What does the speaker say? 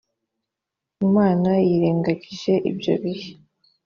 imana yirengagije ibyo bihe